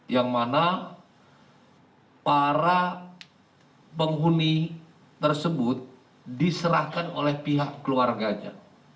yang mana para penghuni tersebut diserahkan oleh pihak keluarganya